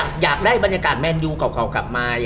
อยากได้บรรยากาศแมนยูเก่ากลับมา